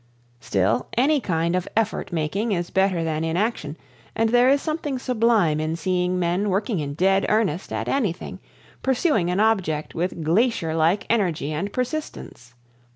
Still, any kind of effort making is better than inaction, and there is something sublime in seeing men working in dead earnest at anything, pursuing an object with glacier like energy and persistence.